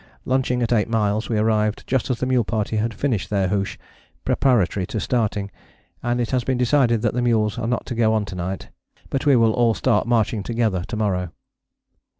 Lunching at eight miles we arrived just as the mule party had finished their hoosh preparatory to starting, and it has been decided that the mules are not to go on to night, but we will all start marching together to morrow.